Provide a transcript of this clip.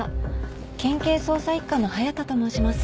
県警捜査一課の隼田と申します。